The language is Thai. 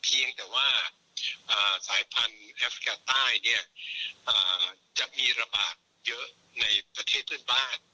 เพียงแต่ว่าสายพันธุ์แอฟริกาใต้เนี่ยจะมีระบาดเยอะในประเทศเพื่อนบ้าน